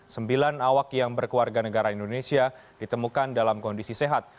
sembilan awak yang berkeluarga negara indonesia ditemukan dalam kondisi sehat